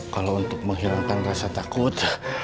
kalau untuk menghilangkan rasa takut